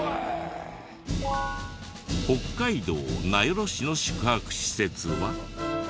北海道名寄市の宿泊施設は。